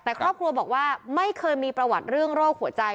แต่ครอบครัวบอกว่าไม่เคยมีประวัติเรื่องโรคหัวใจ